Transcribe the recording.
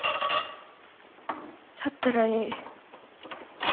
だったらいい